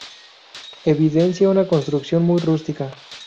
Evidencia una construcción muy rústica.